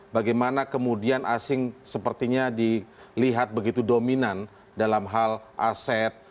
bagaimana kemudian asing sepertinya dilihat begitu dominan dalam hal aset